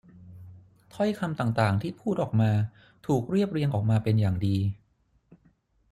ถ้อยคำต่าง ๆ ที่พูดออกมาถูกเรียบเรียงออกมาเป็นอย่างดี